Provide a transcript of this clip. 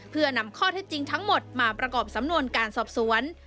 เพื่อนำข้อเท็จจริงทั้งหมดมาประกอบสำนวนการสอบสวน